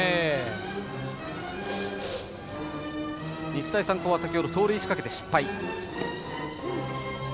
日大三高は先ほど盗塁を仕掛けて失敗。